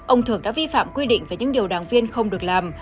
ông thưởng đã vi phạm quy định về những điều đảng viên không được làm